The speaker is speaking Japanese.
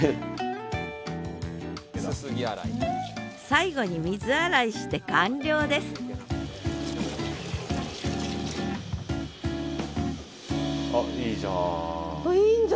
最後に水洗いして完了ですあっいいじゃん。